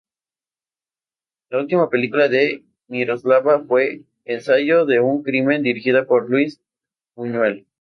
La última película de Miroslava fue "Ensayo de un crimen", dirigida por Luis Buñuel.